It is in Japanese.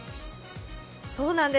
そうなんです。